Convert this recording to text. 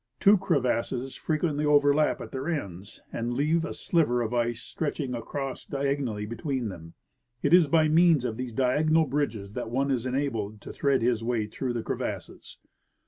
Two crevasses frequently overlap at their ends and leave a sliver of ice stretching across diagonally between them. It is by means of these diagonal bridges that one is enabled to thread his way through the crevasses.